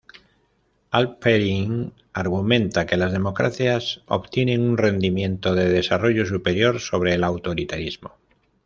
Halperin argumenta que las democracias "obtienen un rendimiento de desarrollo superior" sobre el autoritarismo.